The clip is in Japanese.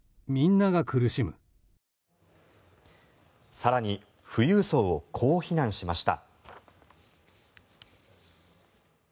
更に、富裕層をこう非難しました。